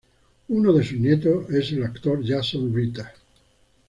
Uno de sus nietos es el actor Jason Ritter.